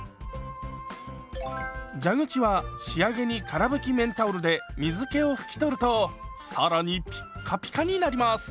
蛇口は仕上げにから拭き綿タオルで水けを拭き取ると更にピッカピカになります。